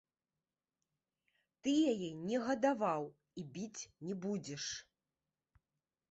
Ты яе не гадаваў і біць не будзеш.